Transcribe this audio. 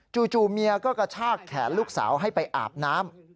เมียก็กระชากแขนลูกสาวให้ไปอาบน้ำ